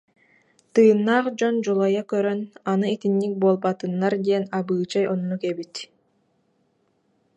Тыыннаах дьон дьулайа көрөн, аны итинник буолбатыннар диэн абыычай оннук эбит